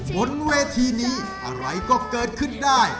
บนเวทีนี้อะไรก็เกิดขึ้นได้